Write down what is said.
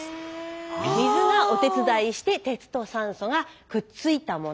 水がお手伝いして鉄と酸素がくっついたもの。